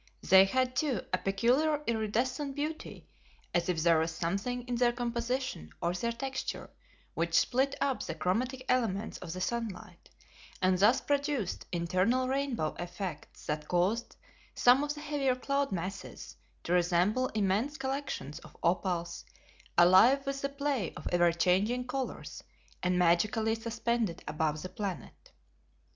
They had, too, a peculiar iridescent beauty as if there was something in their composition or their texture which split up the chromatic elements of the sunlight and thus produced internal rainbow effects that caused some of the heavier cloud masses to resemble immense collections of opals, alive with the play of ever changing colors and magically suspended above the planet.